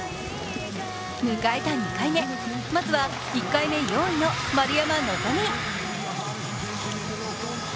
迎えた２回目、まずは１回目４位の丸山希。